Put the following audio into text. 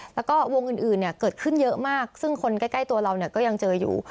แล้วก็วงอื่นเกิดขึ้นเยอะมากซึ่งคนใกล้ตัวเราก็ยังเจออยู่